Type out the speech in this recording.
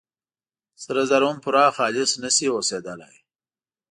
سره زر هم پوره خالص نه شي اوسېدلي.